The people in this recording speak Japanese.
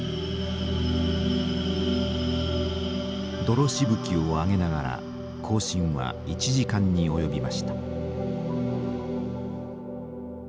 泥しぶきを上げながら行進は１時間に及びました。